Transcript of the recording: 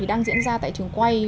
đang diễn ra tại trường quay